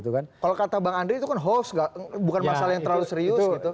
kalau kata bang andri itu kan hoax bukan masalah yang terlalu serius